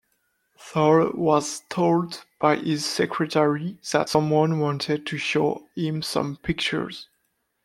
Thall was told by his secretary that someone wanted to show him some pictures.